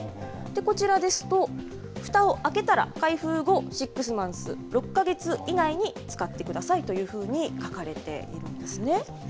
こちらですと、ふたを開けたら開封後６マンス、６か月以内に使ってくださいというふうに書かれているんですね。